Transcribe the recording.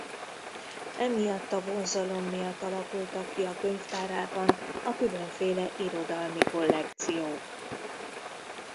Emiatt a vonzalom miatt alakultak ki a könyvtárában a különféle irodalmi kollekciók.